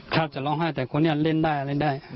จะร้องไห้แต่คนนี้เล่นได้เล่นได้